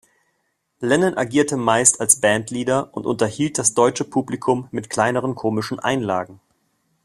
Lennon agierte meist als Bandleader und unterhielt das deutsche Publikum mit kleineren komischen Einlagen.